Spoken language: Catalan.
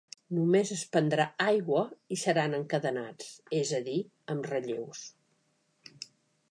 Només es prendrà aigua i seran encadenats; és a dir, amb relleus.